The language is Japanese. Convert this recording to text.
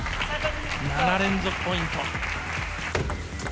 ７連続ポイント。